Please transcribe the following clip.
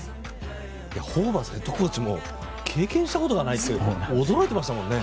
ホーバスヘッドコーチも経験したことがないって驚いてましたもんね。